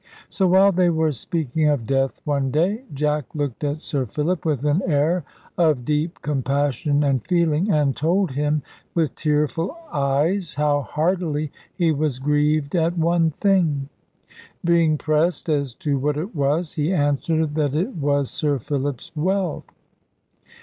So while they were speaking of death one day, Jack looked at Sir Philip with an air of deep compassion and feeling, and told him with tearful eyes how heartily he was grieved at one thing. Being pressed as to what it was, he answered that it was Sir Philip's wealth.